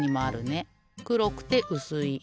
くろくてうすいいた。